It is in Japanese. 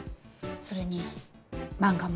それに漫画も。